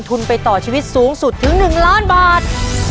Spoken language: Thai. ทุนไปต่อชีวิตสูงสุดถึง๑ล้านบาท